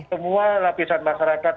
semua lapisan masyarakat